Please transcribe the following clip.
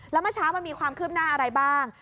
แล้วเมื่อเช้ามันมีความคืบหน้าอะไรบ้าง